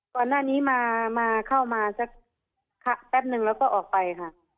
ก่อนหน้านี้มาเข้ามาสักแป๊บนึงแล้วก็ออกไปค่ะ